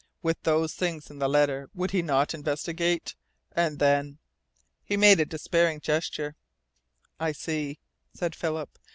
With those things in the letter would he not investigate? And then " He made a despairing gesture. "I see," said Philip.